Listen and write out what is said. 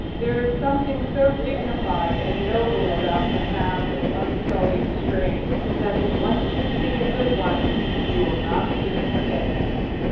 There is something so dignified and noble about the hound of unsullied strain that if you once see a good one you will not soon forget him.